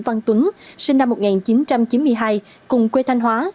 văn tuấn sinh năm một nghìn chín trăm chín mươi hai cùng quê thanh hóa